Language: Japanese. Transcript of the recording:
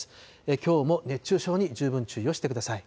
きょうも熱中症に十分注意をしてください。